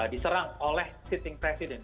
diserang oleh sitting president